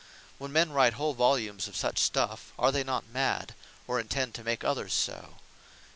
When men write whole volumes of such stuffe, are they not Mad, or intend to make others so?